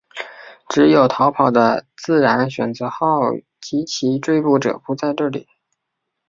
只有逃跑的自然选择号及其追捕者不在这里。